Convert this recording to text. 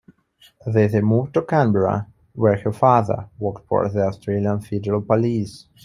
They then moved to Canberra, where her father worked for the Australian Federal Police.